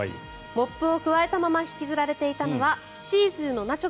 モップをくわえたまま引きずられていたのはシーズーのナチョ